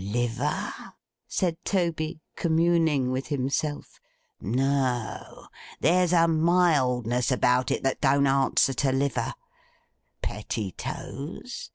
'Liver?' said Toby, communing with himself. 'No. There's a mildness about it that don't answer to liver. Pettitoes?